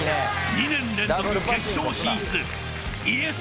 ２年連続決勝進出Ｙｅｓ！